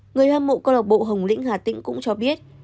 người hâm mộ cầu lọc bộ hồng lĩnh hà tĩnh cũng cho biết